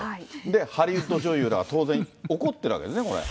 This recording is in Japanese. で、ハリウッド女優らは当然怒ってるわけですね、これ。